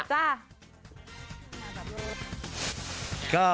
จ้า